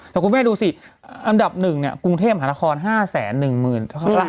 สิคุณแม่ให้ดูสิอันดับหนึ่งกรุงเทพภาพละคร๕๑หมื่้นกาฮัย